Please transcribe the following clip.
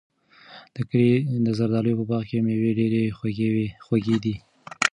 د کلي د زردالیو په باغ کې مېوې ډېرې خوږې دي.